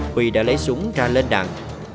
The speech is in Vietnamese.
huy đã lấy súng ra lên đạn